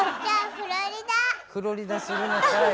フロリダするのかい。